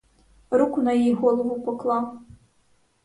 Руку на її голову поклав.